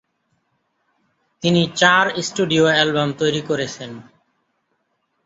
তিনি চার studio album তৈরি করেছেন।